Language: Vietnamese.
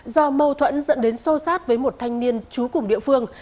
do mâu thuẫn dẫn đến sâu sát với một thanh niên trú cùng địa phương